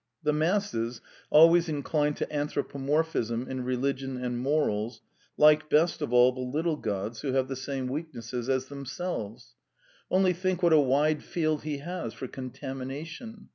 ... The masses, always inclined to anthropomorphism in religion and morals, like best of all the little gods who have the same weaknesses as themselves. Only think what a wide field he has for contamination!